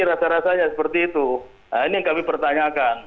rasa rasanya seperti itu nah ini yang kami pertanyakan